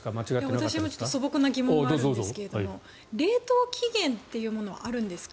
私も素朴な疑問があるんですが冷凍期限というものはあるんですか？